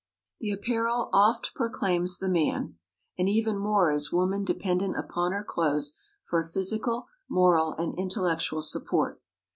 "The apparel oft proclaims the man," and even more is woman dependent upon her clothes for physical, moral, and intellectual support.